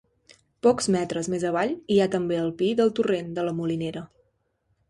Pocs metres més avall hi ha també el Pi del Torrent de la Molinera.